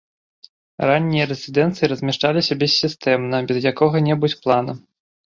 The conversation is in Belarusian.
Раннія рэзідэнцыі размяшчаліся бессістэмна, без якога-небудзь плана.